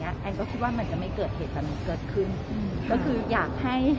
เนี้ยแอ้งก็คิดว่ามันจะไม่เกิดเหตุประมาณเกิดขึ้นอืมก็คืออยากให้